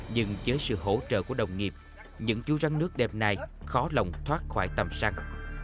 nhưng với sự hỗ trợ của đồng nghiệp những chú rắn nước đêm nay khó lòng thoát khỏi tầm săn